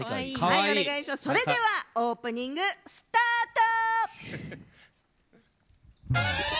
それではオープニング、スタート。